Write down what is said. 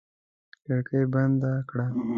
کړکۍ بندې کړه!